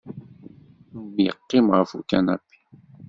Tom yeqqim ɣef ukanapi.